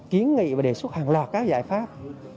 kiến nghị và đề xuất hàng loạt các giải pháp